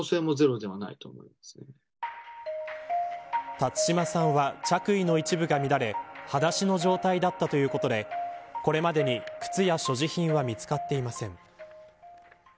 辰島さんは着衣の一部が乱れはだしの状態だったということでこれまでに、靴や所持品は見つかっていません。